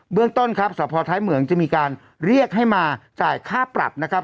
เรื่องต้นครับสภท้ายเหมืองจะมีการเรียกให้มาจ่ายค่าปรับนะครับ